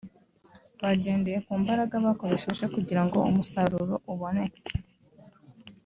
bagendeye ku mbaraga bakoresheje kugira ngo umusaruro uboneke